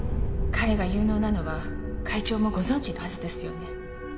彼が有能なのは会長もご存じのはずですよね。